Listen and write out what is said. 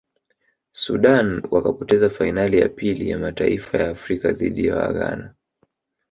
sudan wakapoteza fainali ya pili ya mataifa ya afrika dhidi ya waghnana